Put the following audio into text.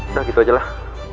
udah gitu ajalah